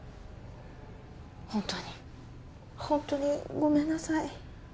本当にホントにごめんなさい